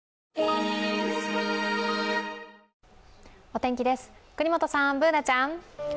お天気です、國本さん、Ｂｏｏｎａちゃん。